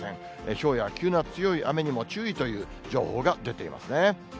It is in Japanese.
ひょうや急な強い雨にも注意という情報が出ていますね。